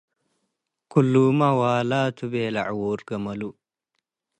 “ክሉመ ዋለ ቱ” ቤለ ዕዉር ገመሉ።